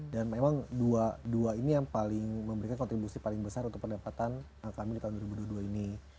dan memang dua dua ini yang paling memberikan kontribusi paling besar untuk pendapatan kami di tahun dua ribu dua puluh dua ini